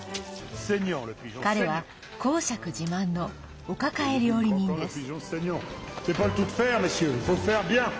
彼は公爵自慢のお抱え料理人です。